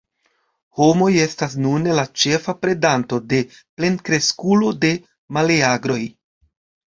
Homoj estas nune la ĉefa predanto de plenkreskulo de meleagroj.